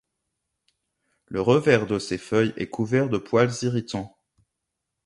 Le revers de ses feuilles est couvert de poils irritants.